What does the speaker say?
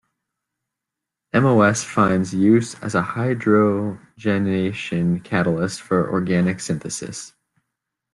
MoS finds use as a hydrogenation catalyst for organic synthesis.